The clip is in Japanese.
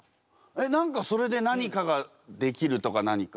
えっそれで何かができるとか何か。